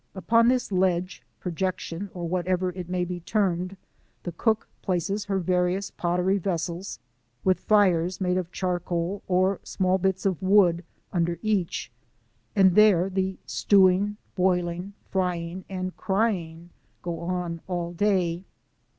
Upon this ledge, projection, or what ever it may be termed, the cook places her various pottery vessels with fires made of charcoal or small bits of wood under each, and there the stewing, boiling, frying, and crying go on all day.